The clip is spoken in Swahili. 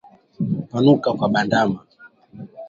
Kupanuka kwa bandama